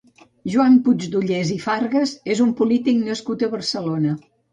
Joan Puigdollers i Fargas és un polític nascut a Barcelona.